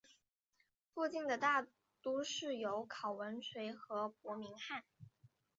附近的大都市有考文垂和伯明翰。